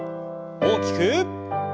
大きく。